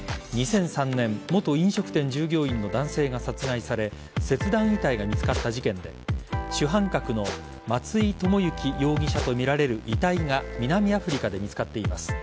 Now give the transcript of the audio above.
２００３年元飲食店従業員の男性が殺害され切断遺体が見つかった事件で主犯格の松井知行容疑者とみられる遺体が南アフリカで見つかっています。